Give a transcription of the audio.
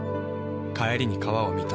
帰りに川を見た。